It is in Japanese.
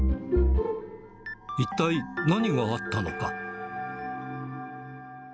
一体、何があったのか。